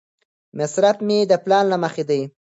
مصرف مې د پلان له مخې دی.